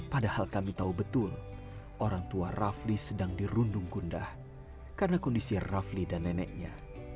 padahal kami tahu betul orang tua rafli sedang dirundung gundah karena kondisi rafli dan neneknya